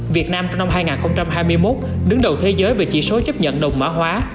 việt nam trong năm hai nghìn hai mươi một đứng đầu thế giới về chỉ số chấp nhận đồng mã hóa